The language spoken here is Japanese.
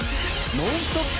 ノンストップ！